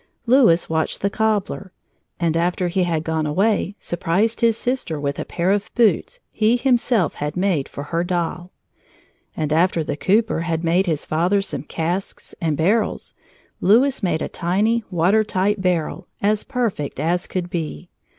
Louis watched the cobbler, and after he had gone away surprised his sister with a pair of boots he himself had made for her doll. And after the cooper had made his father some casks and barrels, Louis made a tiny, water tight barrel, as perfect as could be.